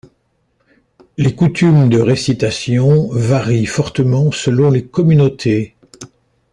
Les coutumes de récitation varient fortement selon les communautés.